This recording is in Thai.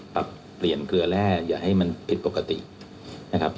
ปรับเปลี่ยนเกลือแร่อย่าให้มันผิดปกตินะครับ